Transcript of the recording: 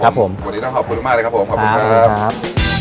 วันนี้ต้องขอบคุณมากเลยครับผมขอบคุณครับครับ